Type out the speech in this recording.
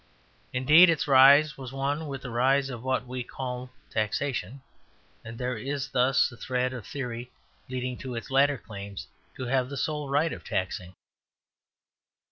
Indeed its rise was one with the rise of what we now call taxation; and there is thus a thread of theory leading to its latter claims to have the sole right of taxing.